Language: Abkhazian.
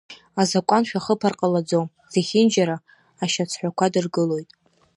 Азакәан шәахыԥар ҟалаӡом, зехьынџьара ашьацҳәақәа дыргылоит!